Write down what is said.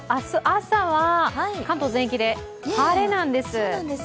朝は、関東全域で晴れなんです。